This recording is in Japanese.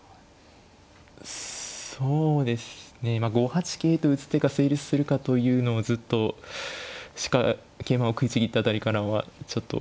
そうですねまあ５八桂と打つ手が成立するかというのをずっと桂馬を食いちぎった辺りからはちょっと思ってたんですけど。